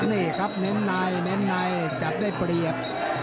นี่ครับเน้นในจัดได้เปรียบ